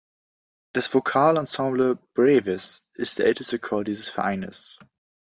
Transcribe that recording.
Das Vokalensemble „Brevis“ ist der älteste Chor dieses Vereines.